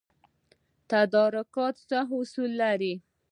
تدارکات څه اصول لري؟